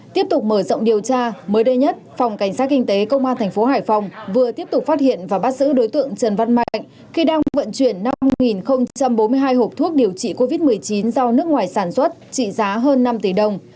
tiếp tục mở rộng điều tra mới đây nhất phòng cảnh sát kinh tế công an thành phố hải phòng vừa tiếp tục phát hiện và bắt giữ đối tượng trần văn mạnh khi đang vận chuyển năm bốn mươi hai hộp thuốc điều trị covid một mươi chín do nước ngoài sản xuất trị giá hơn năm tỷ đồng